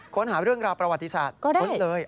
ค้นหาเรื่องราวประวัติศาสตร์